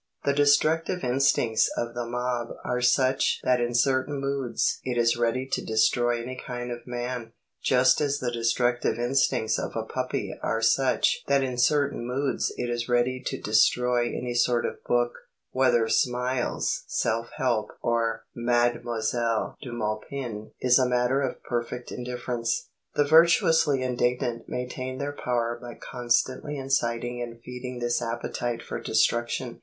The destructive instincts of the mob are such that in certain moods it is ready to destroy any kind of man, just as the destructive instincts of a puppy are such that in certain moods it is ready to destroy any sort of book whether Smiles's Self Help or Mademoiselle de Maupin is a matter of perfect indifference. The virtuously indignant maintain their power by constantly inciting and feeding this appetite for destruction.